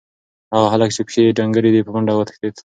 هغه هلک چې پښې یې ډنګرې دي، په منډه وتښتېد.